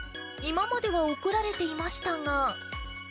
今までは怒られていましたが。